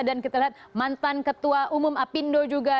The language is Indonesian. dan kita lihat mantan ketua umum apindo juga